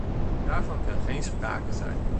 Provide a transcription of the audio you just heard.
Daarvan kan geen sprake zijn.